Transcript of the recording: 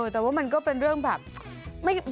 แต่ว่ามันก็เป็นเรื่องแบบ